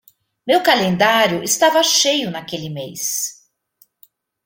Meu calendário estava cheio naquele mês.